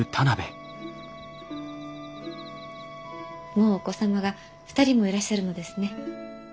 もうお子様が２人もいらっしゃるのですね。